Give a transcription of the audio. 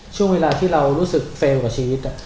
ช่วงเวลาที่เรารู้สึกเฟลล์กับชีวิต